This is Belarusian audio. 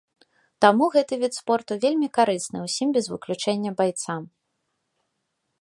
Таму гэты від спорту вельмі карысны ўсім без выключэння байцам.